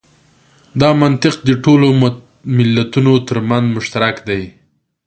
دا منطق د ټولو ملتونو تر منځ مشترک دی.